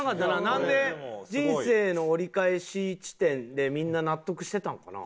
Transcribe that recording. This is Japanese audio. なんで人生の折り返し地点でみんな納得してたんかな？